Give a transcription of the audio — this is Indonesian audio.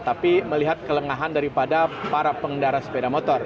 tapi melihat kelengahan daripada para pengendara sepeda motor